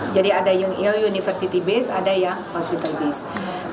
jadi ada yang university based ada yang hospital based